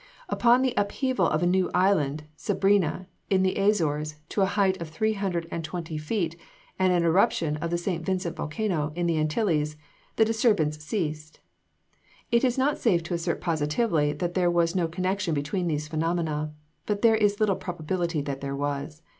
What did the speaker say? Upon the upheaval of a new island, Sabrina, in the Azores, to a height of three hundred and twenty feet, and an eruption of the St. Vincent volcano, in the Antilles, the disturbance ceased. It is not safe to assert positively that there was no connection between these phenomena; but there is little probability that there was.